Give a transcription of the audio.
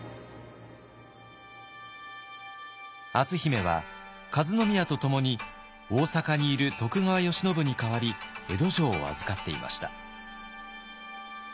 篤姫は和宮とともに大坂にいる徳川慶喜に代わり江戸城を預かっていました。